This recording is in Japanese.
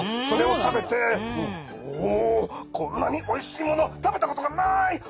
それを食べて「おこんなにおいしいもの食べたことがない。